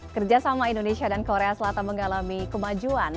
kerja sama indonesia dan korea selatan mengalami kemajuan